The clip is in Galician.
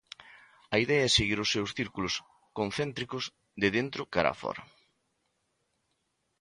A idea é seguir os seus círculos concéntricos de dentro cara a fóra.